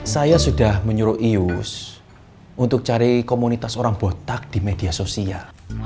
saya sudah menyuruh ius untuk cari komunitas orang botak di media sosial